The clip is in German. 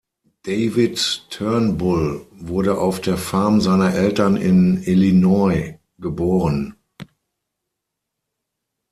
David Turnbull wurde auf der Farm seiner Eltern in Illinois geboren.